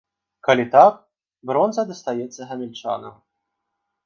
Калі так, бронза дастанецца гамяльчанам.